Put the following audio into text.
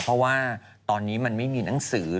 เพราะว่าตอนนี้มันไม่มีหนังสือ